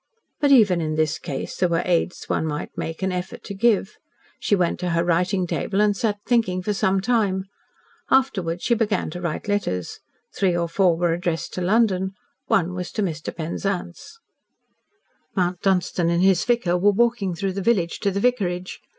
But even in this case there were aids one might make an effort to give. She went to her writing table and sat thinking for some time. Afterwards she began to write letters. Three or four were addressed to London one was to Mr. Penzance. ..... Mount Dunstan and his vicar were walking through the village to the vicarage.